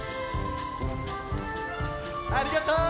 ありがとう！